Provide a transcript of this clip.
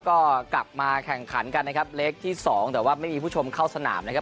ก็กลับมาแข่งขันกันนะครับเลขที่สองแต่ว่าไม่มีผู้ชมเข้าสนามนะครับ